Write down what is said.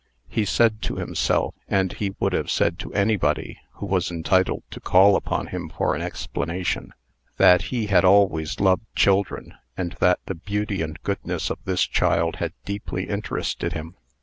He said to himself, and he would have said to anybody who was entitled to call upon him for an explanation, that he had always loved children, and that the beauty and goodness of this child had deeply interested him.